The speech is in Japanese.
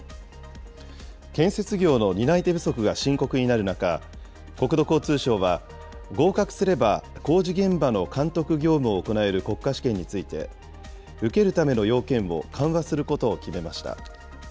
建設業の担い手不足が深刻になる中、国土交通省は、合格すれば、工事現場の監督業務を行える国家試験について、受けるための要件を緩和することを決めました。